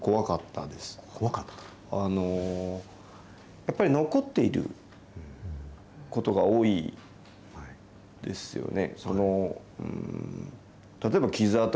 やっぱり残っていることが多いですよね。